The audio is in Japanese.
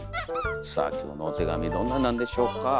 さあ今日のお手紙どんななんでしょうか。